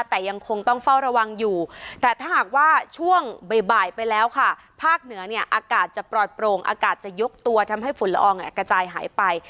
แต่ยังคงต้องเฝ้าระวังอยู่แต่ถ้าหากว่าช่วงบ่ายไปแล้วค่ะภาคเหนือเนี่ยอากาศจะปลอดโปร่งอากาศจะยกตัวทำให้ฝุ่นละอองกระจายหายไป